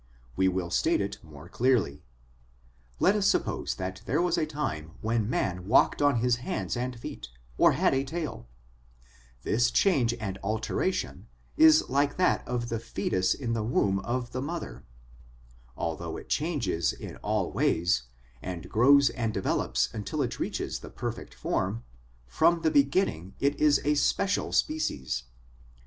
We will state it more clearly : let us suppose that there was a time when man walked on his hands and feet, or had a tail; this change and alteration is like that of the foetus in the womb of the mother; although it changes in all ways, and grows and develops until it reaches the perfect form, from the beginning it is a special species.